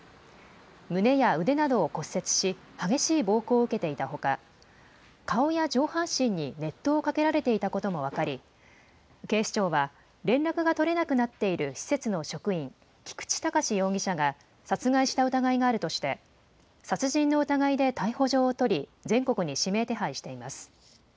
胸や腕などを骨折し激しい暴行を受けていたほか顔や上半身に熱湯をかけられていたことも分かり警視庁は連絡が取れなくなっている施設の職員、菊池隆容疑者が殺害した疑いがあるとして殺人の疑いで逮捕状を取り全国に指名手配しています。